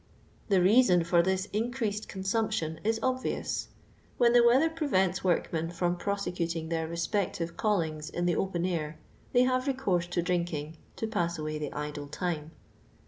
The reason for this increased consumption is obvious ; when the weather prevents workmen from prosecuting their respective callings in the open air, they have recourse to drinking, to pass away the idle time.